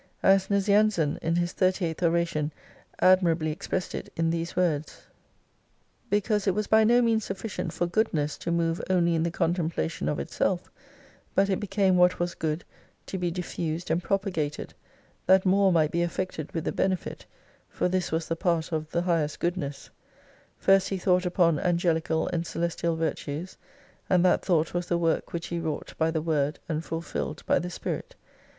As Nazianzen in his 38th Oration admirably expressed it in these words," Because it was by no means sufficient for GOODNESS to move only in the contemplation of itself : but it became what was GOOD to be diffused and propagated, that more might be affected with the benefit ( for this was the part of the Highest GOODNESS :) first He thought upon angelical and celestial virtues, and that thought was the work which he wrought by the WORD and fulfilled by the SPIRIT.